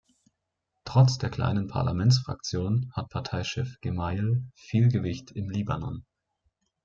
Trotz der kleinen Parlamentsfraktion hat Parteichef Gemayel "viel Gewicht im Libanon".